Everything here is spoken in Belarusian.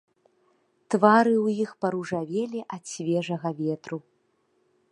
Твары ў іх паружавелі ад свежага ветру.